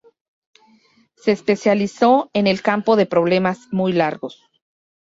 Se especializó en el campo de problemas muy largos.